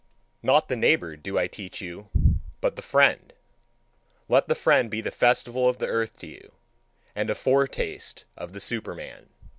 Not the neighbour do I teach you, but the friend. Let the friend be the festival of the earth to you, and a foretaste of the Superman.